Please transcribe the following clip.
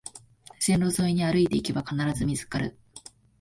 線路沿いに歩いていけば必ず見つかる